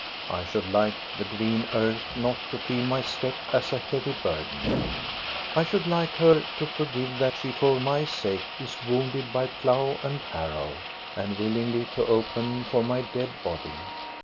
I should like the green earth not to feel my step as a heavy burden. I should like her to for give that she for my sake is wounded by plough and harrow, and willingly to open for my dead body.